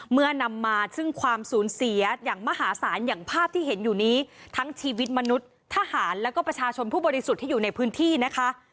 นำมาซึ่งความสูญเสียอย่างมหาศาลอย่างภาพที่เห็นอยู่นี้ทั้งชีวิตมนุษย์ทหารแล้วก็ประชาชนผู้บริสุทธิ์ที่อยู่ในพื้นที่นะคะ